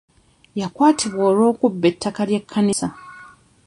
Yakwatibwa olw'okubba ettaka ly'ekkanisa.